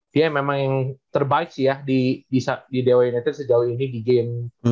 fia memang yang terbaik sih ya di dewa united sejauh ini di game